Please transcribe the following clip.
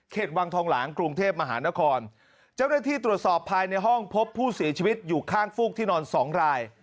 วังทองหลางกรุงเทพมหานครเจ้าหน้าที่ตรวจสอบภายในห้องพบผู้เสียชีวิตอยู่ข้างฟูกที่นอนสองราย